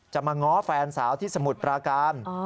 มาง้อแฟนสาวที่สมุทรปราการ